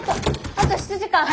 あと７時間。